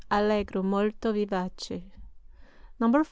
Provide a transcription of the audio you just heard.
Allegro, molto vivace 4.